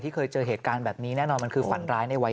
เคยเจอเหตุการณ์แบบนี้แน่นอนมันคือฝันร้ายในวัย